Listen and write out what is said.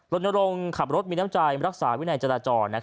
รถยนต์ลงขับรถมีน้ำจ่ายรักษาวินัยจราจร